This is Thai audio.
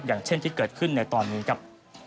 อย่างเช่นที่เกิดขึ้นในตอนนี้ครับ